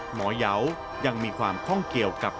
เหยายังมีความข้องเกี่ยวกับ